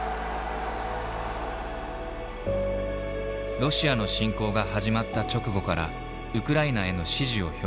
ロシアの侵攻が始まった直後からウクライナへの支持を表明。